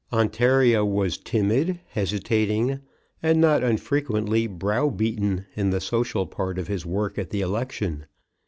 Ontario was timid, hesitating, and not unfrequently brow beaten in the social part of his work at the election.